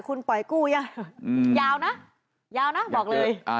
คุณปล่อยกู้ย่ะอือยาวน่ะยาวน่ะบอกเลยอ่า